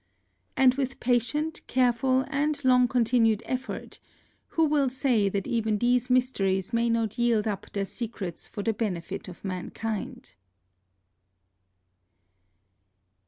And with patient, careful and long continued effort who will say that even these mysteries may not yield up their se crets for the benefit of mankind?